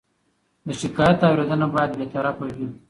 د شکایت اورېدنه باید بېطرفه وي.